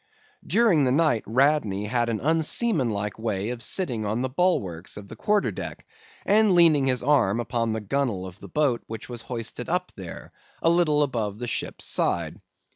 "During the night, Radney had an unseamanlike way of sitting on the bulwarks of the quarter deck, and leaning his arm upon the gunwale of the boat which was hoisted up there, a little above the ship's side.